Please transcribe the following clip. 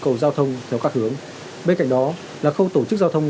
cầu giao thông theo các hướng bên cạnh đó là khâu tổ chức giao thông